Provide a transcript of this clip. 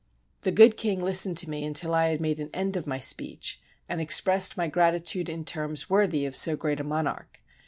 The good king listened to me until I had made an end 227 FRANCE of my speech, and expressed my gratitude in terms wor thy of so great a monarch.